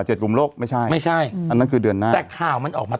กลุ่มโลกไม่ใช่ไม่ใช่อันนั้นคือเดือนหน้าแต่ข่าวมันออกมา